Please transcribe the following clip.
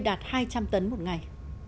đạt hai trăm linh tấn một ngày